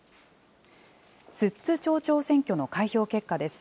寿都町長選挙の開票結果です。